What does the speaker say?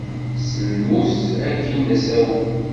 Si lmut akin d asawen.